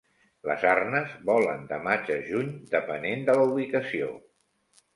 Les arnes volen de maig a juny, depenent de la ubicació.